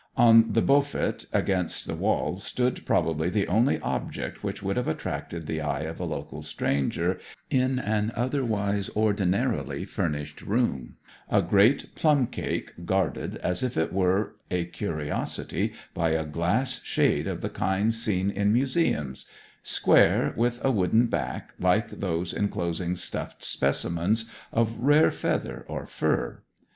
On the 'beaufet' against the wall stood probably the only object which would have attracted the eye of a local stranger in an otherwise ordinarily furnished room, a great plum cake guarded as if it were a curiosity by a glass shade of the kind seen in museums square, with a wooden back like those enclosing stuffed specimens of rare feather or fur.